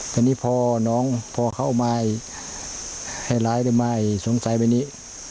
แต่นี่พอน้องพอเข้ามาให้ร้ายหรือไม่สงสัยแบบนี้